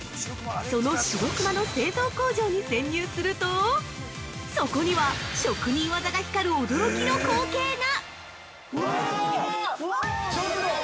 その白くまの製造工場に潜入するとそこには職人技が光る驚きの光景が！